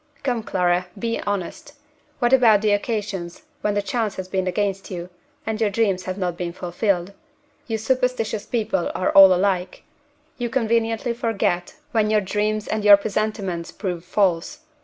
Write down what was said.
Come, Clara, be honest! What about the occasions when the chance has been against you, and your dreams have not been fulfilled? You superstitious people are all alike. You conveniently forget when your dreams and your presentiments prove false.